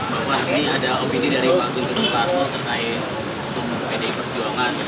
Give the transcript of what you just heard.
pak wali ini ada opini dari pak jum'at terkait pdip perjuangan